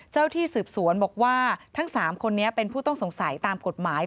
เจ้าที่สืบสวนบอกว่าทั้ง๓คนนี้เป็นผู้ต้องสงสัยตามกฎหมาย